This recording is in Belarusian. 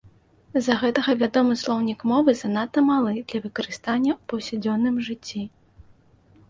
З-за гэтага вядомы слоўнік мовы занадта малы для выкарыстання ў паўсядзённым жыцці.